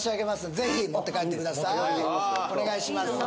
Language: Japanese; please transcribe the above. ぜひお願いします